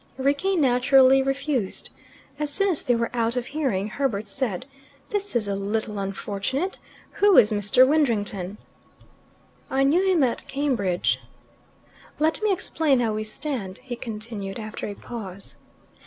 Rickie naturally refused. As soon as they were out of hearing, Herbert said, "This is a little unfortunate. Who is Mr. Widdrington?" "I knew him at Cambridge." "Let me explain how we stand," he continued, after a pause.